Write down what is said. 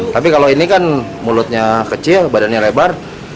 tapi kalau ini kan mulutnya kecil badannya lebar